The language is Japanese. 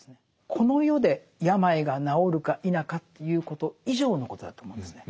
この世で病が治るか否かということ以上のことだと思うんですね。